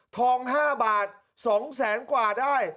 ๕บาท๒แสนกว่าได้